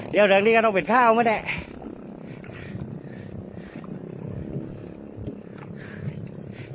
เดี๋ยวหลังนี้กันเอาเป็นข้าวไหมเนี่ย